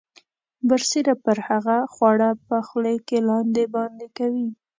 برسیره پر هغه خواړه په خولې کې لاندې باندې کوي.